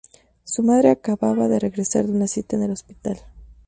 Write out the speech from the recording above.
Su madre acaba de regresar de una cita en el hospital.